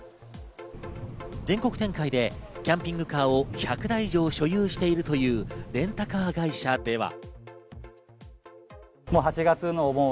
全国展開でキャンピングカーを１００台以上所有しているというレンタカー会社では。